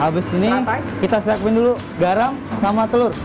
habis ini kita siapin dulu garam sama telur